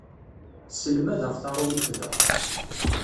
Sselmadeɣ taṛumit da.